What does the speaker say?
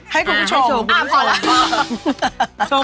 ให้คุณผู้ชม